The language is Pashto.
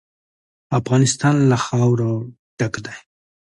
افغانستان له خاوره ډک دی.